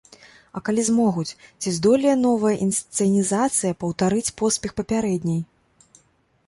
А калі змогуць, ці здолее новая інсцэнізацыя паўтарыць поспех папярэдняй?